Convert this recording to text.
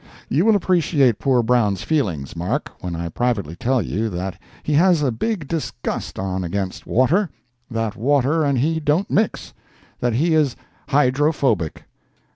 You will appreciate poor Brown's feelings, Mark, when I privately tell you that he has a big disgust on against water—that water and he don't mix—that he is hydro phobic.